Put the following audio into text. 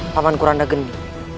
taman kurang negeni